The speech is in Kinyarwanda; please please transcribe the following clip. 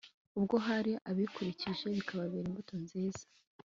ubwo hari ababikurikije bikababera imbuto nziza